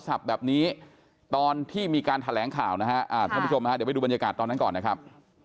แบบนี้ตอนที่มีการแถลงข่าวนะฮะท่านผู้ชมฮะเดี๋ยวไปดูบรรยากาศตอนนั้นก่อนนะครับ